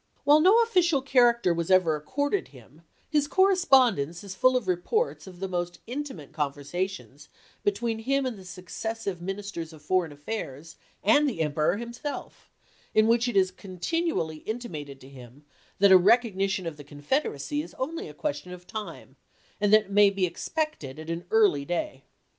While no official character was ever accorded him, his corre spondence is full of reports of the most intimate conversations between him and the successive Min isters of Foreign Affairs and the Emperor himself, in which it is continually intimated to him that a recognition of the Confederacy is only a question of time, and that it may be expected at an early day.